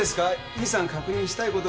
二、三確認したいことが。